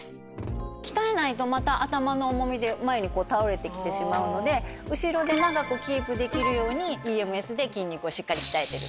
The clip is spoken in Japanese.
鍛えないとまた頭の重みで前に倒れてきてしまうので後ろで長くキープできるようにＥＭＳで筋肉をしっかり鍛えてる。